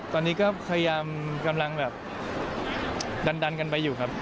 ตอนนี้ก็พยายามกำลังแบบดันกันไปอยู่ครับ